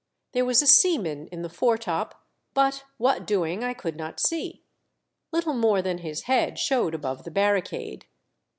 There was a seaman in the foretop, but what doing I could not see ; little more than his head showed above the barricade.